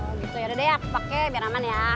oh gitu ya dedeh aku pake biar aman ya